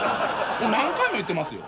何回も言ってますよ